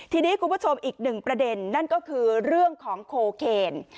ทีนี้คุณผู้ชมอีกหนึ่งประเด็นนั่นก็คือเรื่องของโคเคน